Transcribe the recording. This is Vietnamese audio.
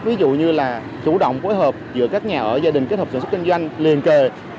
ví dụ như là chủ động phối hợp giữa các nhà ở gia đình kết hợp sản xuất kinh doanh liên kề